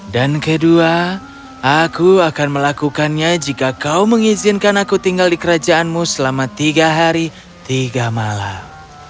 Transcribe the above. dan kedua aku akan melakukannya jika kau mengizinkan aku tinggal di kerajaanmu selama tiga hari tiga malam